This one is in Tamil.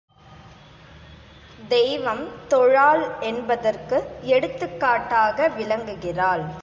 தெய்வம் தொழாள் என்பதற்கு எடுத்துக் காட்டாக விளங்குகிறாள்.